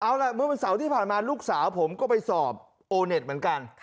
เอาล่ะเมื่อวันเสาร์ที่ผ่านมาลูกสาวผมก็ไปสอบโอเน็ตเหมือนกัน